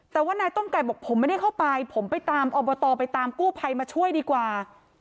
แต่ว่านายต้มไก่บอกผมไม่ได้เข้าไปผมไปตามอบตไปตามกู้ภัยมาช่วยดีกว่า